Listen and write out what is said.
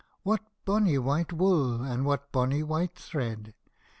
What bonny white wool, and what bonny white thread